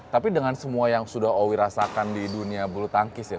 tapi dengan semua yang sudah owi rasakan di dunia bulu tangkis ya